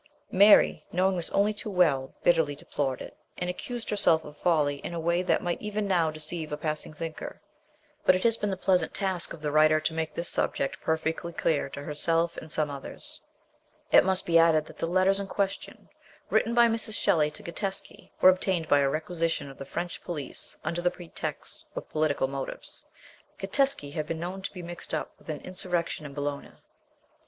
Mary, knowing this only too well, bitterly deplored it, and accused herself of folly in a way that might even now deceive a passing thinker; but it has been the pleasant task of the writer to make this subject perfectly clear to herself, and some others. It must be added that the letters in question, written by Mrs. Shelley to Gatteschi, were obtained by a requisition of the French police under the pretext of political motives: Gatteschi had been known to be mixed up with an insurrection in. Bologna.